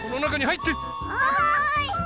はい。